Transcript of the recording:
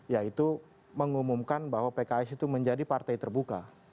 yaitu mengumumkan bahwa pks itu menjadi partai terbuka